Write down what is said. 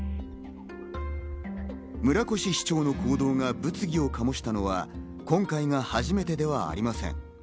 村越市長の行動が物議を醸したのは今回が初めてではありません。